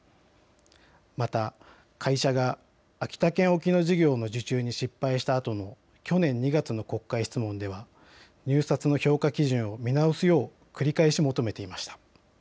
また、会社が秋田県沖の事業の受注に失敗したあとの去年２月の国会質問では入札の評価基準を見直すよう繰り返し求めていました。